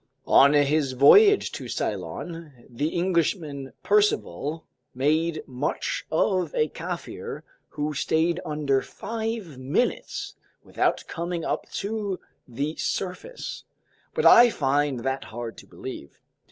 On his voyage to Ceylon, the Englishman Percival made much of a Kaffir who stayed under five minutes without coming up to the surface, but I find that hard to believe.